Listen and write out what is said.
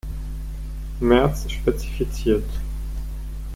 März spezifiziert.